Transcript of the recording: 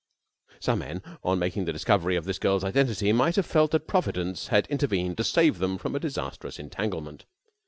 Some men, on making the discovery of this girl's identity, might have felt that Providence had intervened to save them from a disastrous entanglement.